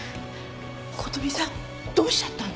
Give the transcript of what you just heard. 琴美さんどうしちゃったの？